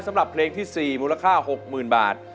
สำหรับเพลงที่๔มูลค่า๖๐๐๐บาท